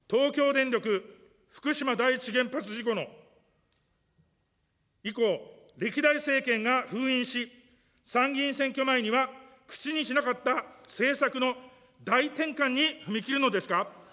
東京電力福島第一原発事故の以降、歴代政権が封印し、参議院選挙前には口にしなかった政策の大転換に踏み切るのですか。